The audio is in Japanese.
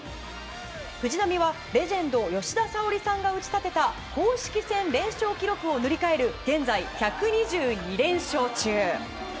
藤波はレジェンド吉田沙保里さんが打ち立てた公式戦連勝記録を乗り換える現在１２２連勝中。